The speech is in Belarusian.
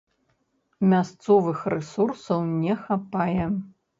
Мясцовых рэсурсаў не хапае.